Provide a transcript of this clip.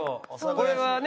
これはね